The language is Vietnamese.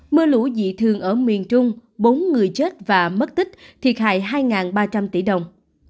mưa lũ dị thường ở miền trung bốn người chết và mất tích thiệt hại hai ba trăm linh tỷ đồng